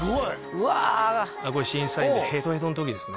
うわこれ審査員でヘトヘトの時ですね